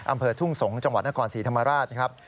อำเภอทุ่งสงศ์จังหวัดนครศรีธรรมราชครับ